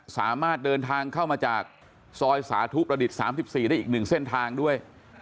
สามารถเดินทางเข้ามาจากซอยสาธุประดิษฐ์๓๔ได้อีก๑เส้นทางด้วย